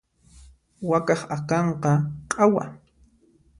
Wakaq akanqa q'awa.